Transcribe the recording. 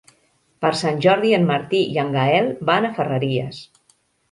Per Sant Jordi en Martí i en Gaël van a Ferreries.